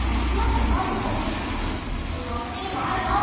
こっちにもあるよ。